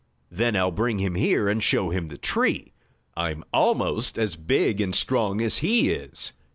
Then I'll bring him here and show him the tree. I'm almost as big and strong as he is."